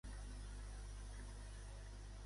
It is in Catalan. Què va fer JxCat?